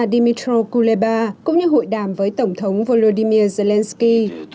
dmytro kuleba cũng như hội đàm với tổng thống volodymyr zelenskyy